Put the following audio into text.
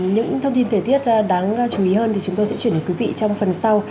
những thông tin thời tiết đáng chú ý hơn thì chúng tôi sẽ chuyển đến quý vị trong phần sau